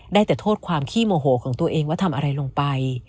ได้แต่โทษความขี้โมโหของตัวเองว่าทำอะไรลงไป